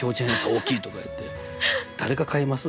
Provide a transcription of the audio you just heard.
大きいとかいって誰が買います？